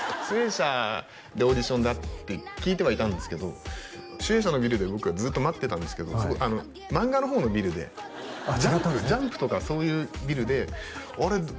集英社でオーディションだって聞いてはいたんですけど集英社のビルで僕ずっと待ってたんですけど漫画の方のビルで「ジャンプ」とかそういうビルであれ？